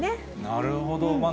なるほど。